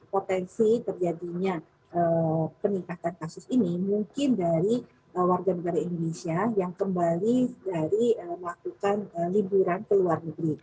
jadi terjadinya peningkatan kasus ini mungkin dari warga negara indonesia yang kembali dari melakukan liburan ke luar negeri